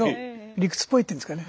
理屈っぽいっていうんですかね。